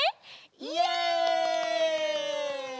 イエイ！